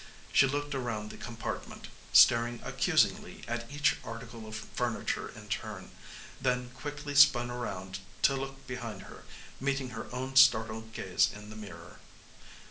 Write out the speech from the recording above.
She looked around the compartment, staring accusingly at each article of furniture in turn; then quickly spun around to look behind her, meeting her own startled gaze in the mirror.